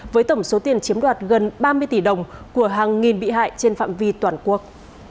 với tổng số tiền chiếm đoạt gần ba mươi tỷ đồng của hàng nghìn bị hại trên phạm vi toàn quốc